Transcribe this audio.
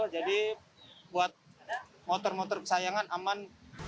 jadi buat motor motor kesayangan aman